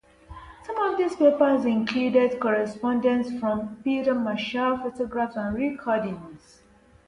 Some of these papers included correspondence from Peter Marshall, photographs and recordings of him.